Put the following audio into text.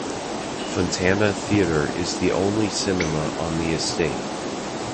Funtana Theatre is the only cinema on the estate.